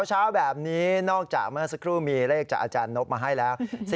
เช้าแบบนี้นอกจากเมื่อสักครู่มีเลขจากอาจารย์นบมาให้แล้ว